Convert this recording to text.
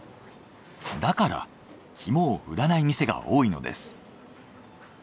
だからキモを売らない店が多いのです。